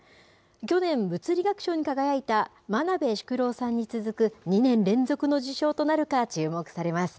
去年、物理学賞に輝いた真鍋淑郎さんに続く２年連続の受賞となるか、注目されます。